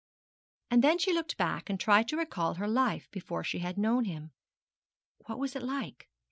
And then she looked back and tried to recall her life before she had known him. What was it like?